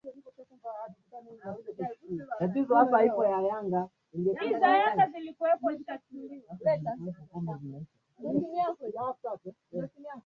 bwana hapa zambia kwa kweli hali ni shwari sana